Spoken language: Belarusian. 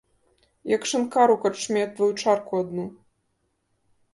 Як шынкар у карчме тваю чарку адну.